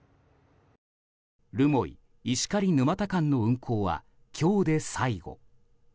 留萌石狩沼田間の運行は今日で最後。